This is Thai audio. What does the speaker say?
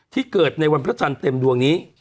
ที่เกิดในวันพระจันทร์เต็มดวงนี้